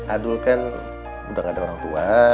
udah nggak ada orang tua